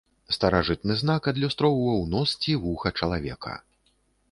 Старажытны знак адлюстроўваў нос ці вуха чалавека.